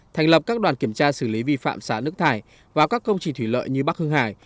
thành lập các đoàn kiểm tra xử lý vi phạm xả nước thải vào các công trình thủy lợi như bắc hưng hải